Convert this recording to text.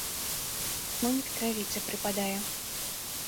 Конь к травіцы прыпадае.